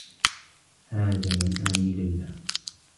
هاجم سامي ليلى.